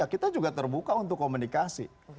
kita juga terbuka untuk komunikasi